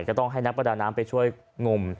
ก็ต้องให้นักประดาน้ำไปช่วยงม